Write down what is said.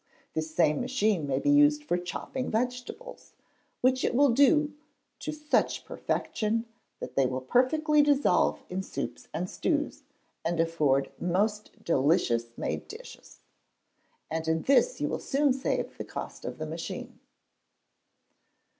The same machine may be used for chopping vegetables, which it will do to such perfection that they will perfectly dissolve in soups and stews, and afford most delicious made dishes. And in this you will soon save the cost of the machine.